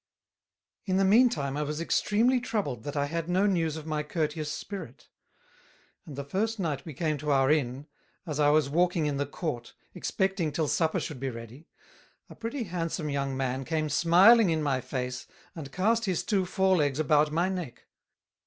In the mean time I was extreamly troubled that I had no news of my courteous Spirit; and the first night we came to our Inn, as I was walking in the Court, expecting till Supper should be ready, a pretty handsome young Man came smiling in my Face and cast his Two Fore Legs about my Neck.